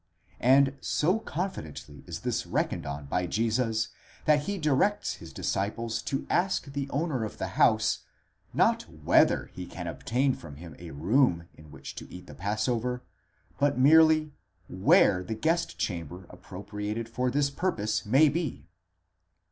And so confidently is this reckoned on by Jesus that he directs his disciples to ask the owner of the house,—not whether he can obtain from him a room in which to eat the passover, but merely—zwere the guest chamber appropriated 'to this purpose may be